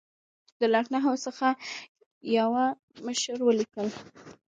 د لکنهو څخه یوه مشر ولیکل.